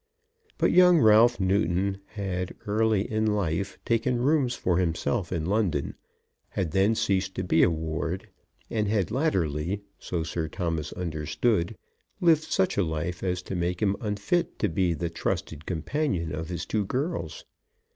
But young Ralph Newton had early in life taken rooms for himself in London, had then ceased to be a ward, and had latterly, so Sir Thomas understood, lived such a life as to make him unfit to be the trusted companion of his two girls.